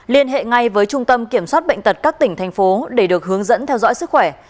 liên hệ ngay với trung tâm kiểm soát bệnh tật các tỉnh thành phố để được hướng dẫn theo dõi sức khỏe